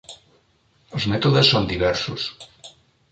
Els mètodes són diversos.